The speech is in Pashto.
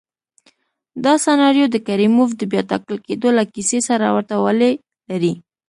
دا سناریو د کریموف د بیا ټاکل کېدو له کیسې سره ورته والی لري.